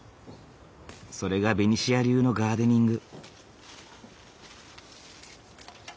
それがベニシア流のガーデニング。